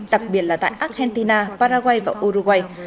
đặc biệt là tại argentina paraguay và uruguay